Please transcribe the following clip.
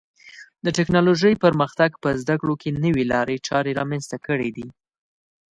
د ټکنالوژۍ پرمختګ په زده کړو کې نوې لارې چارې رامنځته کړې دي.